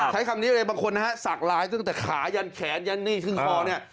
ใช้คำนี้เลยบางคนนะฮะสักลายตั้งแต่ขายันแขนยันนี่ครึ่งคอเนี่ย